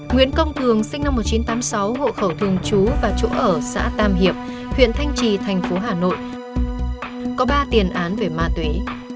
nguyễn công thường sinh năm một nghìn chín trăm tám mươi sáu hộ khẩu thường trú và chỗ ở xã tam hiệp huyện thanh trì thành phố hà nội có ba tiền án về ma túy